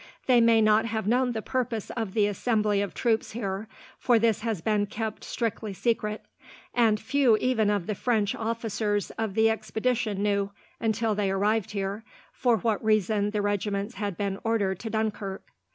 They may not have known the purpose of the assembly of troops here, for this has been kept strictly secret; and few even of the French officers of the expedition knew, until they arrived here, for what reason the regiments had been ordered to Dunkirk.